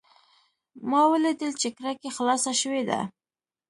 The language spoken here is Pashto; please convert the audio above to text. ما ولیدل چې کړکۍ خلاصه شوې ده.